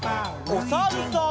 おさるさん。